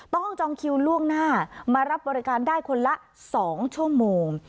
จองคิวล่วงหน้ามารับบริการได้คนละ๒ชั่วโมง